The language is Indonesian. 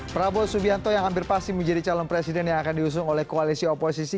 prabowo subianto yang hampir pasti menjadi calon presiden yang akan diusung oleh koalisi oposisi